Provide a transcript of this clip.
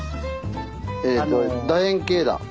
えとだ円形だ。